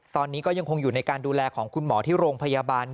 ตอนนี้ก็ยังคงอยู่ในการดูแลของคุณหมอที่โรงพยาบาล